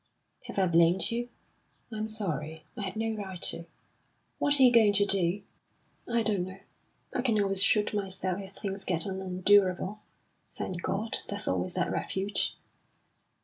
"Have I blamed you? I'm sorry; I had no right to." "What are you going to do?" "I don't know I can always shoot myself if things get unendurable. Thank God, there's always that refuge!"